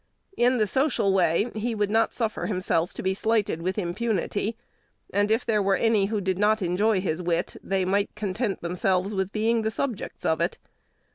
In the social way, he would not suffer himself to be slighted with impunity; and, if there were any who did not enjoy his wit, they might content themselves with being the subjects of it.